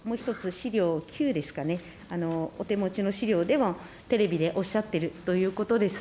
資料９ですかね、お手持ちの資料でもテレビでおっしゃっているということです。